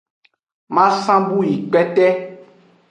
Masan bu yi kpete.